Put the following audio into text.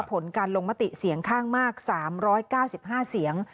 ผลการลงมติเสียงข้างมาก๓๙๕เสียง